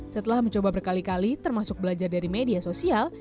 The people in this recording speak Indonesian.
setelah mencoba berkali kali termasuk belajar dari media sosial